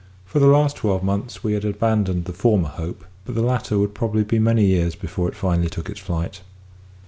For the last twelve months we had abandoned the former hope, but the latter would probably be many years before it finally took its flight.